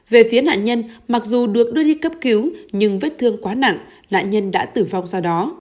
về phía nạn nhân mặc dù được đưa đi cấp cứu nhưng vết thương quá nặng nạn nhân đã tử vong sau đó